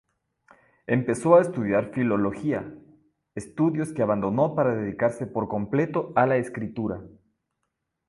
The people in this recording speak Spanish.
Empezó a estudiar filología, estudios que abandonó para dedicarse por completo a la escritura.